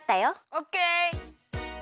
オッケー！